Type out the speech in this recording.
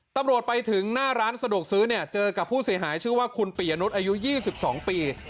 ตำรวจไปถึงหน้าร้านสะดวกซื้อเนี่ยเจอกับผู้เสียหายชื่อว่าคุณปียนุษย์อายุ๒๒ปี